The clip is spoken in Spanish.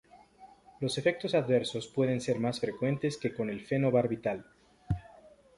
Los efectos adversos pueden ser más frecuentes que con el fenobarbital.